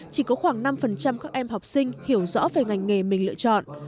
chỉ có khoảng năm các em học sinh hiểu rõ về ngành nghề mình lựa chọn